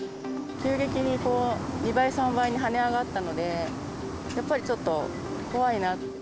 急激に２倍、３倍に跳ね上がったので、やっぱりちょっと怖いな。